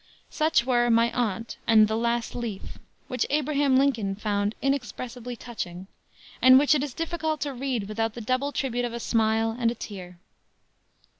Such were My Aunt and the Last Leaf which Abraham Lincoln found "inexpressibly touching," and which it is difficult to read without the double tribute of a smile and a tear.